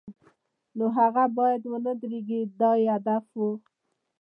نو هغه باید و نه دردېږي دا یې هدف و.